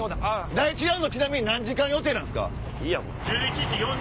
第１ラウンドちなみに何時間予定なんすか？